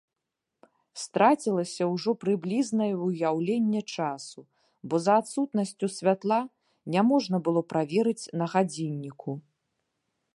Страцілася ўжо прыблізнае ўяўленне часу, бо за адсутнасцю святла няможна было праверыць на гадзінніку.